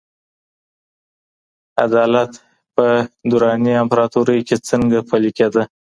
عدالت په دراني امپراتورۍ کي څنګه پلي کېده؟